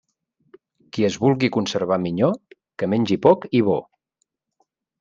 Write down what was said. Qui es vulgui conservar minyó, que mengi poc i bo.